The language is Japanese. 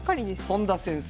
本田先生。